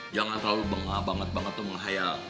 jangan terlalu bengah banget banget tuh menghayal